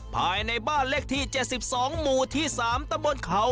ภายในบ้านเลขที่๗๒หมู่ที่๓ตำบลเขา